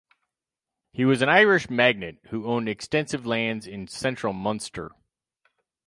He was an Irish magnate who owned extensive lands in central Munster.